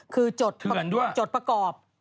คือจดประกอบ